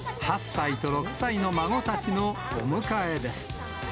８歳と６歳の孫たちのお迎えです。